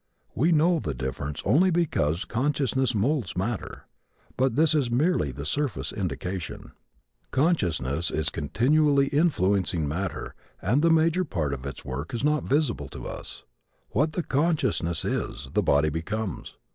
We know the difference only because consciousness moulds matter. But this is merely the surface indication. Consciousness is continually influencing matter and the major part of its work is not visible to us. What the consciousness is, the body becomes.